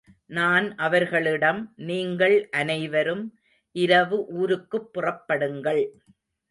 நான் அவர்களிடம், நீங்கள் அனைவரும் இரவு ஊருக்குப் புறப்படுங்கள்.